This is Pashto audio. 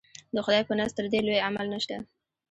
د خدای په نزد تر دې لوی عمل نشته.